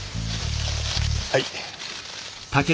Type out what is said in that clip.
はい。